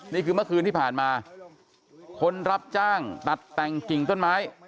นี่คือเมื่อคืนที่ผ่านมาคนรับจ้างตัดแต่งกิ่งต้นไม้